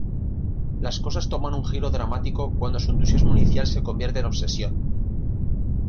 Las cosas toman un giro dramático cuando su entusiasmo inicial se convierte en obsesión.